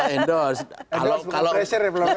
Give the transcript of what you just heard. endorse bukan pressure ya belum ya